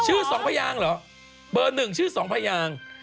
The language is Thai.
อ๋อชื่อ๒พระยางเหรอเบอร์๑ชื่อ๒พระยาง